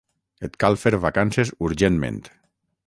Et cal fer vacances urgentment.